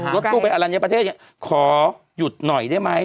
รถตู้ไปอรัญญาประเทศอย่างนี้ขอหยุดหน่อยได้ไหม